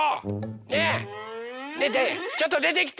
ねえねえちょっとでてきて！